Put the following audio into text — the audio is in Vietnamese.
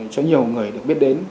cho nhiều người được biết đến